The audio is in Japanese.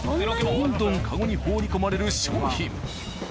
どんどんカゴに放り込まれる商品。